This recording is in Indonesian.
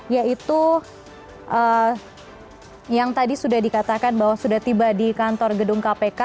yaitu yang tadi sudah dikatakan bahwa sudah tiba di kantor gedung kpk